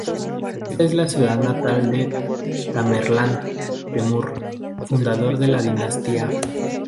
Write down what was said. Esta es ciudad natal de Tamerlán, Temür, fundador de la dinastía.